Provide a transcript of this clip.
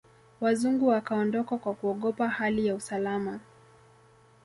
Wazungu wakaondoka kwa kuogopa hali ya usalama